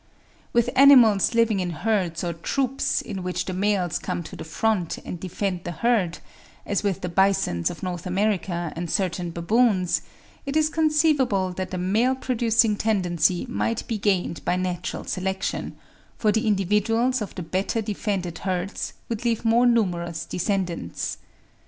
With animals living in herds or troops, in which the males come to the front and defend the herd, as with the bisons of North America and certain baboons, it is conceivable that a male producing tendency might be gained by natural selection; for the individuals of the better defended herds would leave more numerous descendants.